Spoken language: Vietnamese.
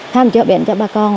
tham gia bệnh cho bà con